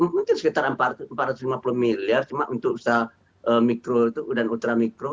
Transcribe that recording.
mungkin sekitar empat ratus lima puluh miliar cuma untuk usaha mikro dan ultra mikro